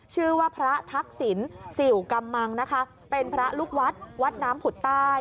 ชื่อว่าพระทักษิณสิวกำมังนะคะเป็นพระลูกวัดวัดน้ำผุดใต้